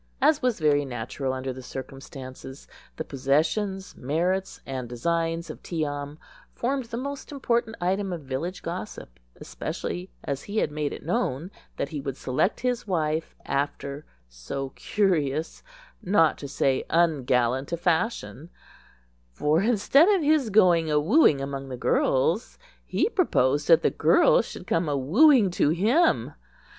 As was very natural under the circumstances, the possessions, merits, and designs of Tee am formed the most important item of village gossip, especially as he had made it known that he would select his wife after so curious, not to say ungallant, a fashion; for instead of his going awooing among the girls, he proposed that the girls should come awooing to him.